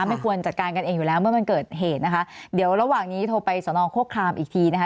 ไม่ควรจัดการกันเองอยู่แล้วเมื่อมันเกิดเหตุนะคะเดี๋ยวระหว่างนี้โทรไปสนโครครามอีกทีนะคะ